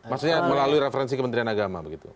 maksudnya melalui referensi kementerian agama begitu